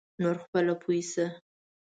نور خپله پوی شه.